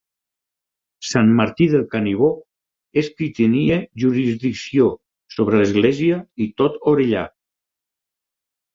Sant Martí del Canigó és qui tenia jurisdicció sobre l'església i tot Orellà.